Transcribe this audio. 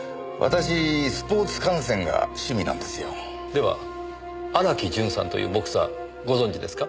では荒木淳さんというボクサーご存じですか？